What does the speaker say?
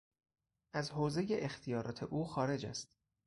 از حوزهی اختیارات او خارج است.